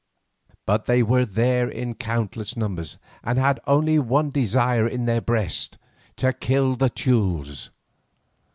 But they were there in countless numbers and had only one desire in their breasts, to kill the Teules.